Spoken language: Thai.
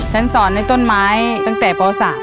ฉันสอนในต้นไม้ตั้งแต่เปาสรรค์